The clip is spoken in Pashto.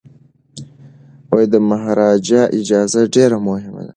د مهاراجا اجازه ډیره مهمه ده.